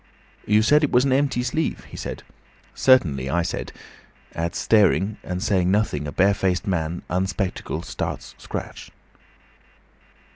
"'You said it was an empty sleeve?' he said. 'Certainly,' I said. At staring and saying nothing a barefaced man, unspectacled, starts scratch.